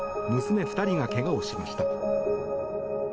娘２人が怪我をしました。